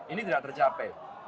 ini tidak tercapai